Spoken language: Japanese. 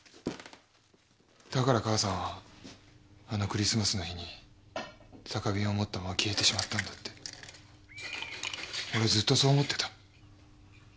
だから母さんはあのクリスマスの日に酒瓶を持ったまま消えてしまったんだって俺ずっとそう思ってた。